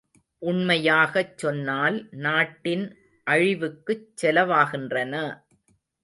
உண்மையாகச் சொன்னால் நாட்டின் அழிவுக்குச் செலவாகின்றன!